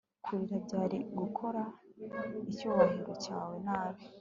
kurira byari gukora icyubahiro cyawe nabi